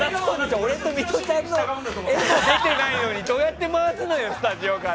俺とミトちゃんの画も出てないのにどうやって回すのよスタジオから。